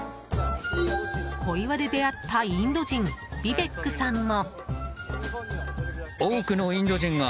小岩で出会ったインド人ビベックさんも。